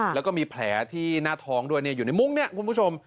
แล้วก็มีแผลที่หน้าท้องด้วยอยู่ในมุ้งเนี่ยคุณผู้ชม